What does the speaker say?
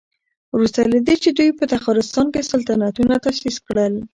وروسته له دې دوی په تخارستان کې سلطنتونه تاسيس کړل